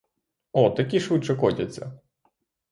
О, такі швидше котяться.